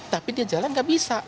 tapi dia jalan gak bisa